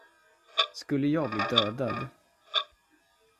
Skulle jag bli dödad.